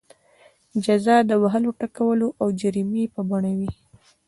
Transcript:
جزا د وهلو ټکولو او جریمې په بڼه وي.